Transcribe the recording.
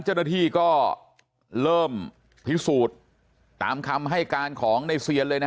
เจ้าหน้าที่ก็เริ่มพิสูจน์ตามคำให้การของในเซียนเลยนะฮะ